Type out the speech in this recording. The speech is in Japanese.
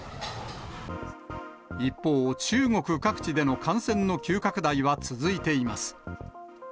一方、中国各地での感染の急拡大は続いています。